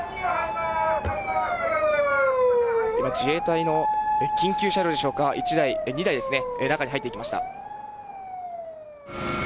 今、自衛隊の緊急車両でしょうか、１台、２台ですね、中に入っていきました。